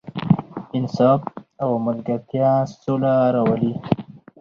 انصاف او ملګرتیا سوله راولي.